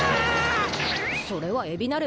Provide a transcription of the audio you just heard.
それはエビなれば。